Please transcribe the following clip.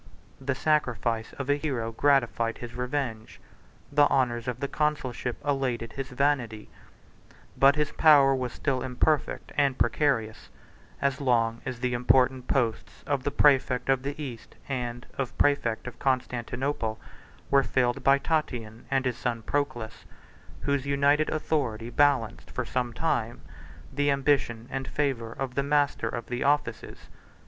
5 The sacrifice of a hero gratified his revenge; the honors of the consulship elated his vanity; but his power was still imperfect and precarious, as long as the important posts of præfect of the East, and of præfect of Constantinople, were filled by Tatian, 6 and his son Proculus; whose united authority balanced, for some time, the ambition and favor of the master of the offices.